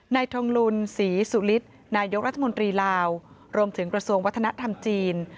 ทงลุนศรีสุฤทธิ์นายกรัฐมนตรีลาวรวมถึงกระทรวงวัฒนธรรมจีน